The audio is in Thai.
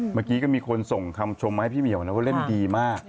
เมื่อกี้ก็มีคนส่งคำชมมาให้พี่เหมียวนะว่าเล่นดีมาก